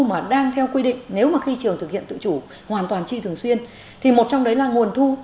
mà đang theo quy định nếu mà khi trường thực hiện tự chủ hoàn toàn chi thường xuyên thì một trong đấy là nguồn thu